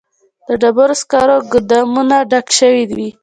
د ډبرو سکرو ګودامونه ډک شوي وي